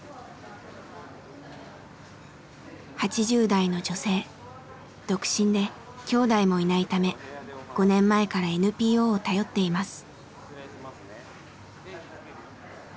８０代の女性独身で兄弟もいないため５年前からＮＰＯを頼っています。